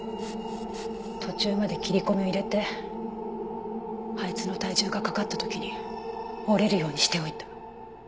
途中まで切り込みを入れてあいつの体重がかかった時に折れるようにしておいた。